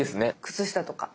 靴下とか。